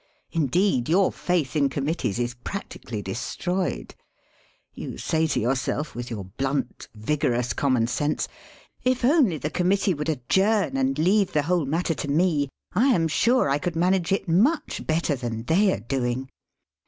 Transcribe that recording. In deed, your faith in Committees is practically de stroyed. You say to yourself, with your blunt, vigorous common sense: "If only the Committee would adjourn and leave the whole matter to me, I am sure I could manage it much better than they are doing."